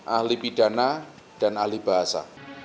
ahli pidana dan ahli bahasa